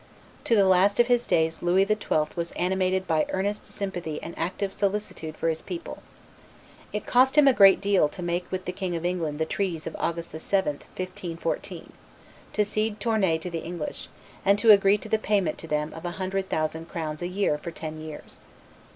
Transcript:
To the last of his days Louis XII. was animated by earnest sympathy and active solicitude for his people. It cost him a great deal to make with the King of England the treaties of August 7, 1514, to cede Tournai to the English, and to agree to the payment to them of a hundred thousand crowns a year for ten years.